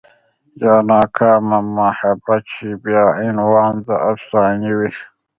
يا ناکامه محبت شي بيا عنوان د افسانې وي